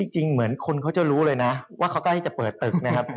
จริงเหมือนคนเขาจะรู้เลยนะว่าเขากล้าที่จะเปิดตึกนะครับ